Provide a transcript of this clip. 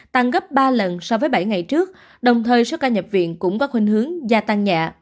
tăng gấp ba lần so với bảy ngày trước đồng thời số ca nhập viện cũng có khuyến hướng gia tăng nhẹ